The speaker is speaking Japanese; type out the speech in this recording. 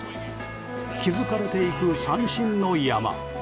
築かれていく三振の山。